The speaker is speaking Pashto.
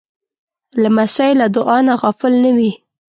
لمسی له دعا نه غافل نه وي.